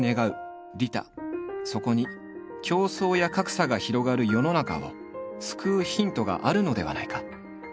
そこに競争や格差が広がる世の中を救うヒントがあるのではないか。